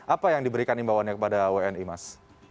apa yang diberikan imbauannya kepada wni mas